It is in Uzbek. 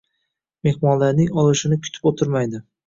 Mehmonlarning olishini kutib o‘tirmaydi.